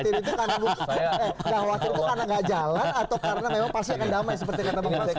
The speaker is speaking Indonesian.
tidak khawatir itu karena nggak jalan atau karena memang pasti akan damai seperti kata bang fadli